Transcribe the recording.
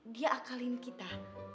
dia akalin kita